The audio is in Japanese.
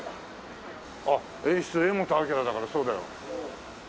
あっ「演出柄本明」だからそうだよ。